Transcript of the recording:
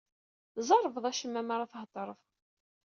Tzerrbeḍ acemma mara theddreḍ.